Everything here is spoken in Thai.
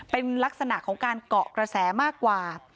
เป็นลักษณะของการเกาะกระแสมากกว่า